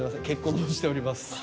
結婚もしております